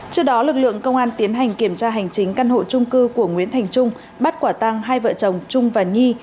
trước đó lực lượng công an tiến hành kiểm tra hành chính căn hộ trung cư của nguyễn thành trung bắt quả tăng hai vợ chồng trung và nhi